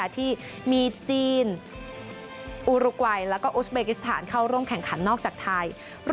ที่มีจีนอุรกวัยแล้วก็อุสเบกิสถานเข้าร่วมแข่งขันนอกจากไทย